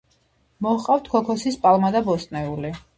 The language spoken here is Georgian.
მოჰყავთ ქოქოსის პალმა და ბოსტნეული